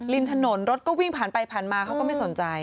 ริมถนนรถก็วิ่งผ่านไปผ่านมาเขาก็ไม่สนใจ